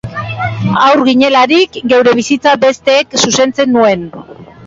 Haur ginelarik, geure bizitza bestek zuzentzen zuen